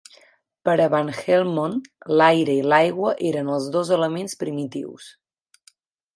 Per a Van Helmont, l'aire i l'aigua eren els dos elements primitius.